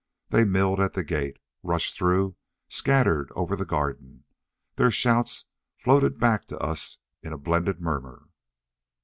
They milled at the gate; rushed through; scattered over the garden. Their shouts floated back to us in a blended murmur.